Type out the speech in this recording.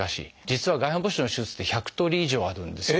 実は外反母趾の手術って１００通り以上あるんです。